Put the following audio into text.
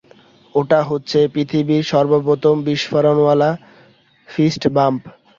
ওটা হচ্ছে পৃথিবীর সর্বপ্রথম বিস্ফোরণ-ওয়ালা ফিস্ট বাম্প।